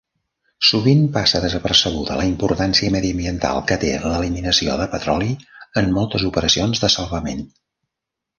Sovint passa desapercebuda la importància mediambiental que té l'eliminació de petroli en moltes operacions de salvament.